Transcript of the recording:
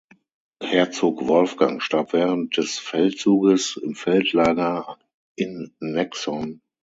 Herzog Wolfgang starb während des Feldzuges im Feldlager in Nexon.